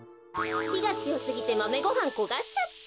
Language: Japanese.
ひがつよすぎてマメごはんこがしちゃった。